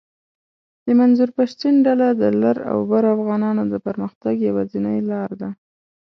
د منظور پشتین ډله د لر اوبر افغانانو د پرمختګ یواځنۍ لار ده